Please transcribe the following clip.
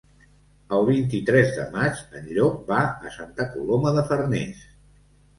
El vint-i-tres de maig en Llop va a Santa Coloma de Farners.